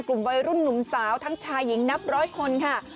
กลุ่มวัยรุ่นหนุ่มสาวทั้งชายหญิงนับร้อยคนค่ะ